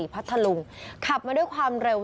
พัทธลุงขับมาด้วยความเร็ว